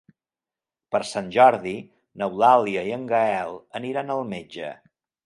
Per Sant Jordi n'Eulàlia i en Gaël aniran al metge.